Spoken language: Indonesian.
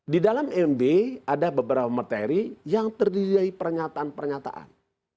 di dalam mb ada beberapa materi yang terdiri dari pernyataan pernyataan